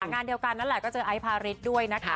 งานเดียวกันนั่นแหละก็เจอไอซ์พาริสด้วยนะคะ